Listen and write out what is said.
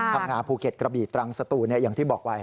พังงาภูเก็ตกระบีตรังสตูนอย่างที่บอกไว้